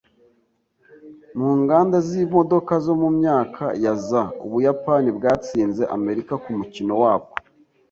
Mu nganda z’imodoka zo mu myaka ya za , Ubuyapani bwatsinze Amerika ku mukino wabwo